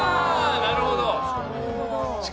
なるほど。